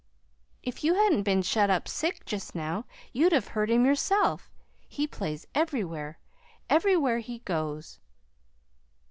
"If you hadn't been shut up sick just now, you'd have heard him yourself. He plays everywhere everywhere he goes."